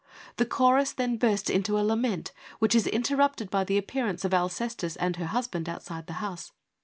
The chorus then burst into a lament which is interrupted by the appearance of Alcestis and her husband outside the house.